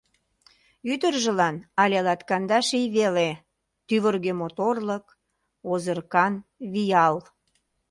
Ӱдыржылан але латкандаш ий веле: Тӱвыргӧ моторлык, озыркан вий-ал.